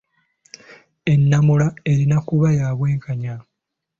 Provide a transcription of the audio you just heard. Ennamula erina kuba ya bwenkanya.